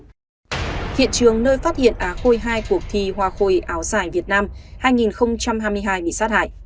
hiện trường nơi phát hiện á khôi hai cuộc thi hoa khôi áo dài việt nam hai nghìn hai mươi hai bị sát hại